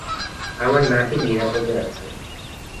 আমার নাতি নিরাপদে আছে।